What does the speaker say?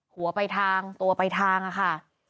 หัวไปทางตัวไปทางอะค่ะ